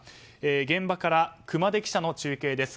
現場から熊手記者の中継です。